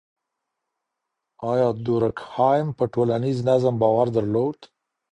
آيا دورکهايم په ټولنيز نظم باور درلود؟